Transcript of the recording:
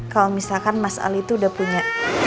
kalau misalkan mas ali itu udah punya